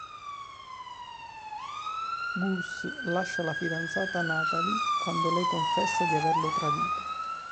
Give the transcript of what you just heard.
Gus lascia la fidanzata Natalie quando lei confessa di averlo tradito.